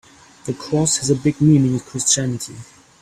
The cross has a big meaning in Christianity.